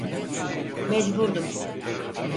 Mecburdum.